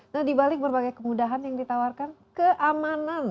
nah dibalik berbagai kemudahan yang ditawarkan keamanan